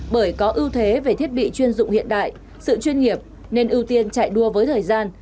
bởi có ưu thế về thiết bị chuyên dụng hiện đại sự chuyên nghiệp nên ưu tiên chạy đua với thời gian